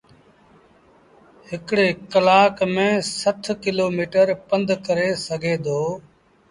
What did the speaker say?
هڪڙي ڪلآڪ ميݩ سٺ ڪلو ميٚٽر پنڌ ڪري سگھي دو۔